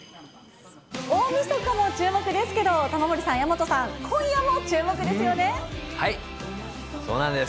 大みそかも注目ですけれども、玉森さん、矢本さん、今夜も注目そうなんです。